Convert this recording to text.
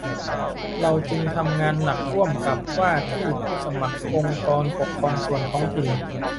เราจึงทำงานหนักร่วมกับว่าที่ผู้สมัครองค์กรปกครองส่วนท้องถิ่น